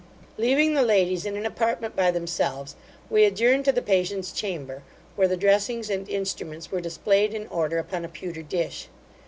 Leaving the ladies in an apartment by themselves, we adjourned to the patient's chamber, where the dressings and instruments were displayed in order upon a pewter dish.